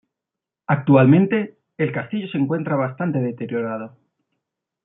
Actualmente, el castillo se encuentra bastante deteriorado.